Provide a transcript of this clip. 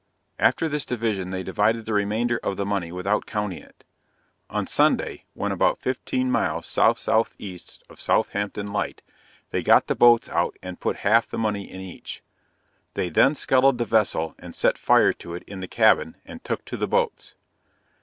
After this division, they divided the remainder of the money without counting it. On Sunday, when about 15 miles S.S.E. of Southampton Light, they got the boats out and put half the money in each they then scuttled the vessel and set fire to it in the cabin, and took to the boats.